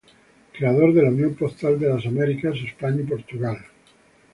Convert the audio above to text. Creador de la Unión Postal de las Americas, España y Portugal.